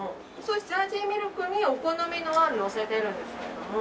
ジャージーミルクにお好みのあんのせてるんですけれども。